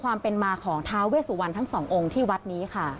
ความเป็นมาของท้าเวสุวรรณทั้งสององค์ที่วัดนี้ค่ะ